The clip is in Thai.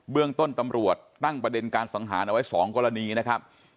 เรื่องต้นตำรวจตั้งประเด็นการสังหารเอาไว้๒กรณีนะครับ